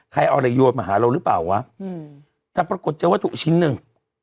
ใครเอาอะไรโยนมาหาเราหรือเปล่าวะแต่ปรากฏเจอวัตถุชิ้นหนึ่ง